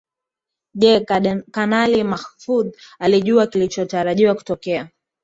Je Kanali Mahfoudh alijua kilichotarajiwa kutokea